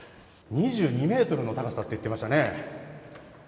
２２メートルの高さと言っていましたね。